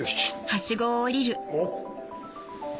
おっ。